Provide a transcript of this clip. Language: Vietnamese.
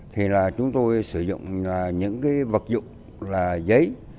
thì là chúng tôi sử dụng những cái vật dụng là giấy